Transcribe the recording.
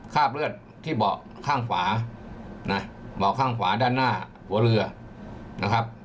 คราบเลือดที่เบาะข้างขวานะเบาะข้างขวาด้านหน้าหัวเรือนะครับ